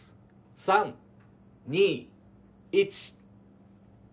３２１。